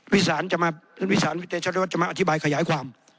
วิสานวิสานวิทยาชาวรัตน์จะมาอธิบายขยายความ